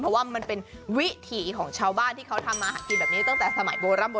เพราะว่ามันเป็นวิถีของชาวบ้านที่เขาทำมาหากินแบบนี้ตั้งแต่สมัยโบร่ำโบราณ